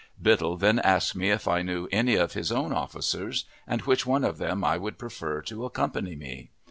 Biddle then asked me if I knew any of his own officers, and which one of them I would prefer to accompany me.